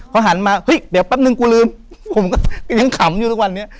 เขาหันมาเฮ้ยเดี๋ยวแป๊บนึงกูลืมผมก็ยังขำอยู่ทุกวันนี้